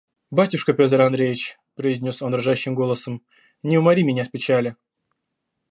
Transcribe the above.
«Батюшка Петр Андреич, – произнес он дрожащим голосом, – не умори меня с печали.